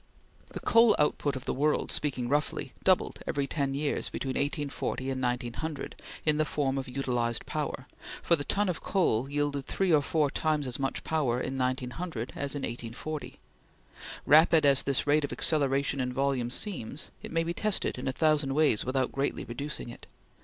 The coal output of the world, speaking roughly, doubled every ten years between 1840 and 1900, in the form of utilized power, for the ton of coal yielded three or four times as much power in 1900 as in 1840. Rapid as this rate of acceleration in volume seems, it may be tested in a thousand ways without greatly reducing it.